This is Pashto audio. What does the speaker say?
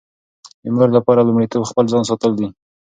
د مور لپاره لومړیتوب خپل ځان ساتل دي.